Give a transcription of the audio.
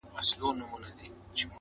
دا د پېړیو توپانونو آزمېیلی وطن!!